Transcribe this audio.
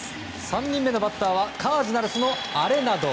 ３人目のバッターはカージナルスのアレナド。